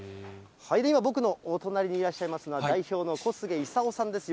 今、僕のお隣にいらっしゃいますのは、代表の小菅功さんです。